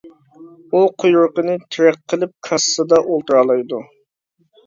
ئۇ قۇيرۇقىنى تىرەك قىلىپ كاسسىسىدا ئولتۇرالايدۇ.